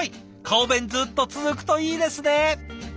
顔弁ずっと続くといいですね。